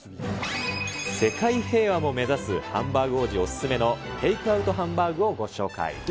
世界平和も目指すハンバーグ王子お勧めのテイクアウトハンバーグをご紹介。